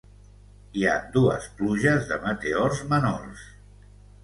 Hi ha dues pluges de meteors menors